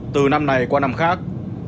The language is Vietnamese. từ năm này qua năm khác